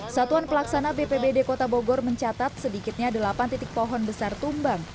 satuan pelaksana bpbd kota bogor mencatat sedikitnya delapan titik pohon besar tumbang